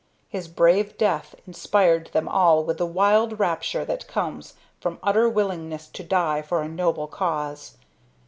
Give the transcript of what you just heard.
His brave death inspired them all with the wild rapture that comes from utter willingness to die for a noble cause.